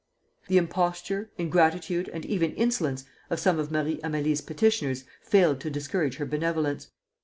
The imposture, ingratitude, and even insolence of some of Marie Amélie's petitioners failed to discourage her benevolence.